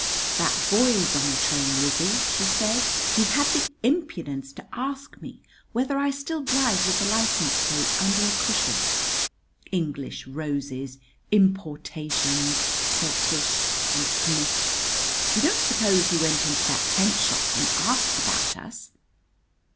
"That boy's on the train, Lizzie!" she said. "He had the impudence to ask me whether I still drive with the license plates under a cushion. English roses importations!" said Tish, and sniffed. "You don't suppose he went into that tent shop and asked about us?"